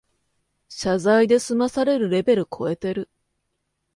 謝罪で済まされるレベルこえてる